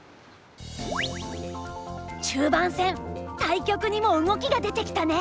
中盤戦対局にも動きが出てきたね。